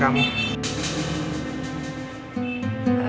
bapak mau cari siapa